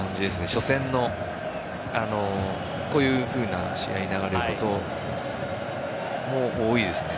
初戦は、こういうふうな試合の流れになるってことも多いですね。